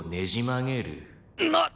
なっ！